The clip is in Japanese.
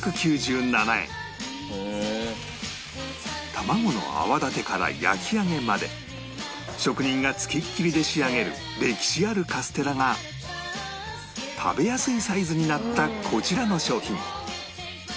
卵の泡立てから焼き上げまで職人がつきっきりで仕上げる歴史あるカステラが食べやすいサイズになったこちらの商品